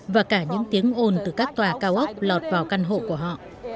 và cả những tiếng ồn từ các tòa cao ốc lọt vào căn hộ của họ